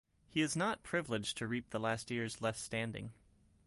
He is not privileged to reap the last ears left standing.